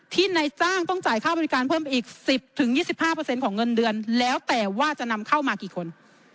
ในจ้างต้องจ่ายค่าบริการเพิ่มอีก๑๐๒๕ของเงินเดือนแล้วแต่ว่าจะนำเข้ามากี่คน